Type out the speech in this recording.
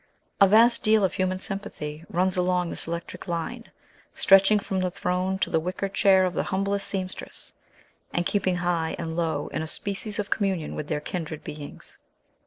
A vast deal of human sympathy runs along this electric line, stretching from the throne to the wicker chair of the humblest seamstress, and keeping high and low in a species of communion with their kindred beings.